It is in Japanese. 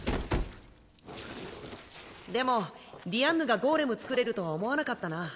でもディアンヌがゴーレム作れるとは思わなかったな。